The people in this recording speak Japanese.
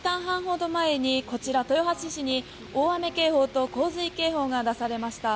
１時間半ほど前にこちら豊橋市に大雨警報と洪水警報が出されました。